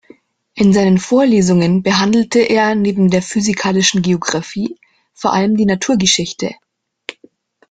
In seinen Vorlesungen behandelte er neben der physikalischen Geographie vor allem die Naturgeschichte.